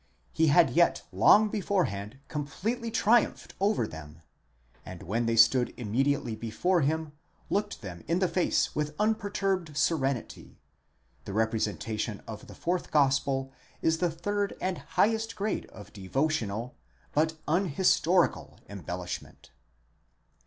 he had yet long beforehand completely triumphed over them, and when they stood immediately before him, looked them in the face with unperturbed serenity—this representation of the fourth gospel is the third and highest grade of devotional, but unhistorical embellish ment.